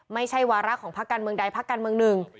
ไม่ใช่วาระของพักการเมืองใดพักการเมืองหนึ่ง